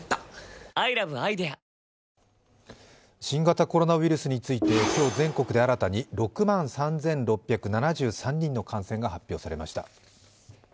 新型コロナウイルスについて今日全国で新たに、６万３６７３人の感染が発表されました。